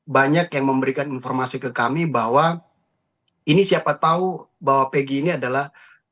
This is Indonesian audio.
banyak yang memberikan informasi ke kami bahwa ini siapa tahu bahwa peggy ini adalah